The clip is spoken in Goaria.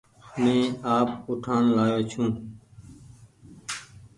مينٚ آپ اُٺآن لآيو ڇوٚنٚ